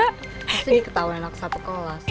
pasti ketawanya anak satu kalau waspada